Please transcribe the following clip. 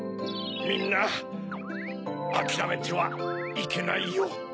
みんなあきらめてはいけないよ。